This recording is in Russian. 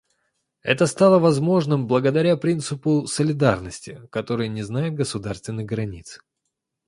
Это стало возможным благодаря принципу солидарности, который не знает государственных границ.